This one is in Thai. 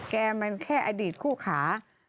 แกมันแค่อดีตคู่ขา